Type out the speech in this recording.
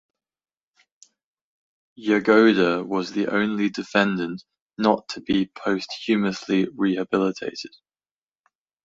Yagoda was the only defendant not to be posthumously rehabilitated.